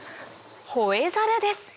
ホエザルです